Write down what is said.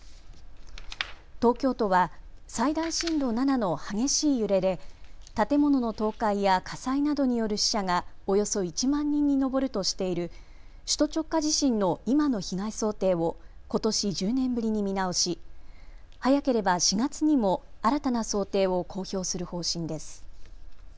東京都は最大震度７の激しい揺れで建物の倒壊や火災などによる死者がおよそ１万人に上るとしている首都直下地震の今の被害想定をことし１０年ぶりに見直し早ければ４月にも新たな想定を公表する方針です。